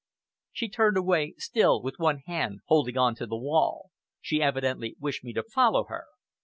She turned away, still with one hand holding on to the wall. She evidently wished me to follow her.